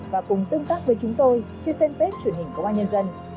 và cùng tương tác với chúng tôi trên fanpage truyền hình công an nhân dân